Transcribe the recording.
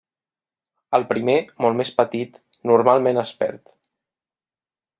El primer, molt més petit, normalment es perd.